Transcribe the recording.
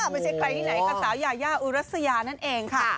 ไม่ใช่ใครที่ไหนค่ะสาวยายาอุรัสยานั่นเองค่ะ